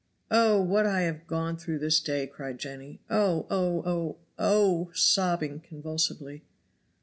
"Oh, what I have gone through this day!" cried Jenny. "Oh! oh! oh! oh!" sobbing convulsively.